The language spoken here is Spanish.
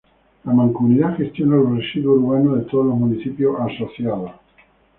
La Mancomunidad gestiona los residuos urbanos de todos los municipios asociados.